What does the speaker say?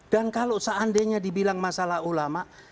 dan kalau seandainya dibilang masalah ulama